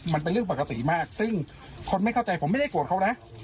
มันเป็นเรื่องปกติมากซึ่งคนไม่เข้าใจผมไม่ได้โกรธเขานะ